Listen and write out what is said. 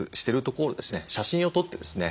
写真を撮ってですね